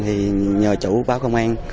thì nhờ chủ báo công an